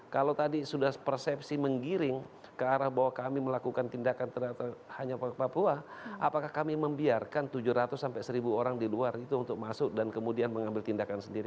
kalau tadi sudah persepsi menggiring ke arah bahwa kami melakukan tindakan terhadap hanya papua apakah kami membiarkan tujuh ratus sampai seribu orang di luar itu untuk masuk dan kemudian mengambil tindakan sendiri